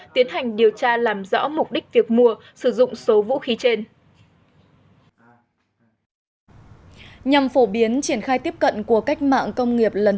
tiến hành điều tra làm rõ mục đích việc cắt khẩu súng ngắn